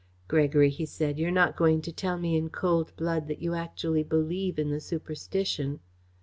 "Gregory," he said, "you're not going to tell me in cold blood that you actually believe in the superstition."